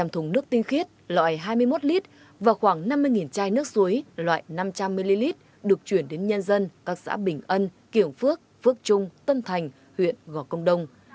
một trăm linh thùng nước tinh khiết loại hai mươi một lít và khoảng năm mươi chai nước suối loại năm trăm linh ml được chuyển đến nhân dân các xã bình ân kiểng phước phước trung tân thành huyện gò công đông